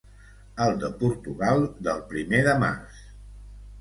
El de Portugal, del primer de març.